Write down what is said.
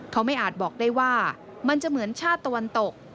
เขาไม่อาจบอกได้ว่ามันจะเหมือนชาติตะวันตก